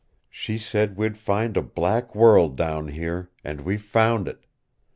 She said we'd find a black world down here and we've found it.